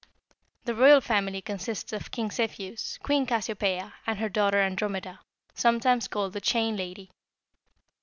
The Royal Family consists of King Cepheus, Queen Cassiopeia, and her daughter Andromeda, sometimes called the 'Chained Lady.'